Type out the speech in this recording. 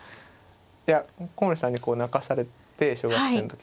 いや古森さんに泣かされて小学生の時。